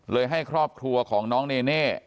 ให้ครอบครัวของน้องเนเน่